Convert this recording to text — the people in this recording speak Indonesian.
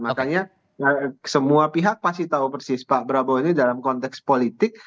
makanya semua pihak pasti tahu persis pak prabowo ini dalam konteks politik